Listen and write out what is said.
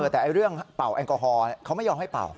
แต่เรื่องเป่าแอลกอฮอล์เขาไม่ยอมให้เป่า